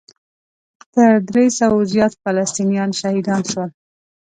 تر درې سوو زیات فلسطینیان شهیدان شول.